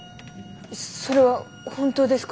それは本当ですか？